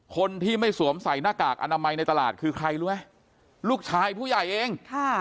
คนที่ไม่สวมใส่หน้ากากอนามัยในตลาดคือใครรู้ไหมลูกชายผู้ใหญ่เองค่ะ